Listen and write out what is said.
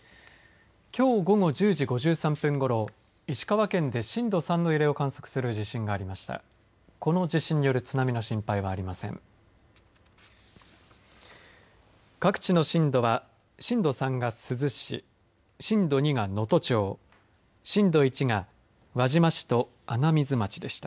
きょう午後１０時５３分ごろ石川県で震度３を観測する地震がありました。